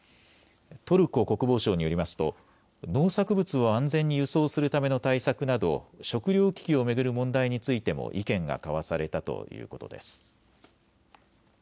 トルコ国防省によりますと農作物を安全に輸送するための対策など食糧危機を巡る問題についても意見が交わされたということです。